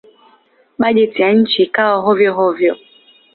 Bajeti ya nchi ikawa hovyo-hovyo.